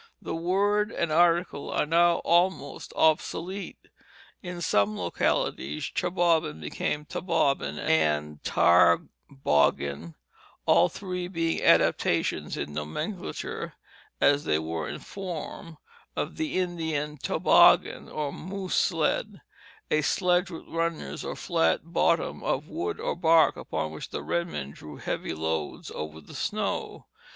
The word and article are now almost obsolete. In some localities chebobbin became tebobbin and tarboggin, all three being adaptations in nomenclature, as they were in form, of the Indian toboggan or moose sled, a sledge with runners or flat bottom of wood or bark, upon which the red men drew heavy loads over the snow.